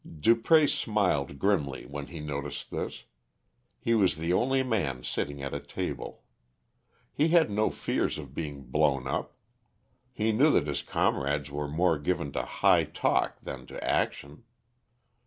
Dupré smiled grimly when he noticed this. He was the only man sitting at a table. He had no fears of being blown up. He knew that his comrades were more given to big talk than to action.